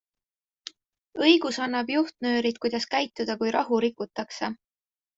Õigus annab juhtnöörid, kuidas käituda, kui rahu rikutakse.